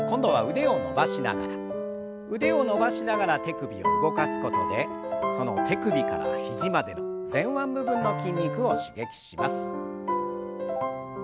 腕を伸ばしながら手首を動かすことでその手首から肘までの前腕部分の筋肉を刺激します。